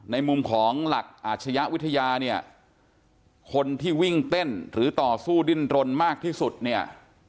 ในมุมของหลักอาชญะวิทยาเนี่ยคนที่วิ่งเต้นหรือต่อสู้ดิ้นรนมากที่สุดเนี่ย